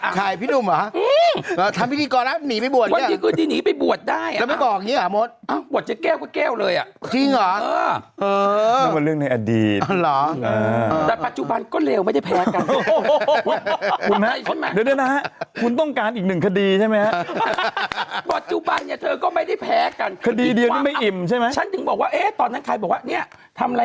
ใช่พี่ดุ้มเหรอทำพิธีกรน่ะหนีไปบวชอย่างแล้วฮะถ้าไม่บอกอย่างนี้มถ